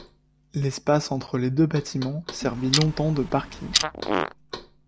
L’espace entre les deux bâtiments servit longtemps de parking.